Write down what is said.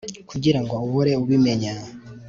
kugirango uhore ubimenya